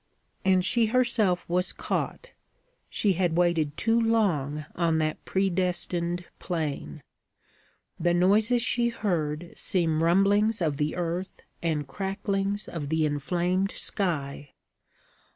And she herself was caught: she had waited too long on that predestined plain. The noises she heard seemed rumblings of the earth and cracklings of the inflamed sky.